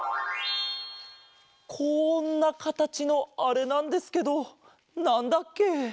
こんなかたちのあれなんですけどなんだっけ？